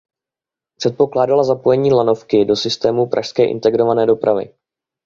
Předpokládala zapojení lanovky do systému Pražské integrované dopravy.